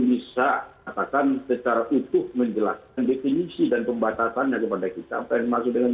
bisa katakan secara utuh menjelaskan definisi dan pembatasannya kepada kita apa yang masuk dengan